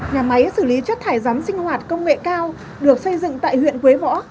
nhà máy xử lý rác thải sinh hoạt công nghệ cao được xây dựng tại huyện quế võ